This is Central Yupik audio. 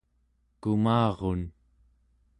kumarun